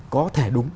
có thể đúng